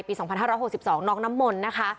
ปี๒๕๖๒น้องน้ำมนต์นะคะ